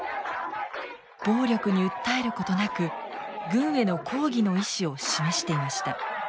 暴力に訴えることなく軍への抗議の意思を示していました。